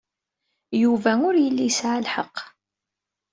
Yuba ur yelli yesɛa lḥeqq.